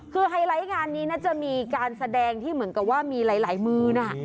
คือไฮไลท์งานนี้น่าจะมีการแสดงที่เหมือนกับว่ามีหลายมือนะ